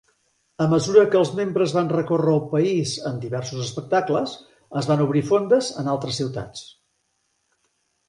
A mesura que els membres van recórrer el país amb diversos espectacles, es van obrir fondes en altres ciutats.